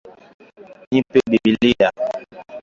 Nipe bibilia